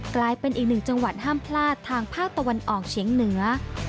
กลายเป็นอีกหนึ่งจังหวัดห้ามพลาดทางภาคตะวันออกเฉียงเหนือ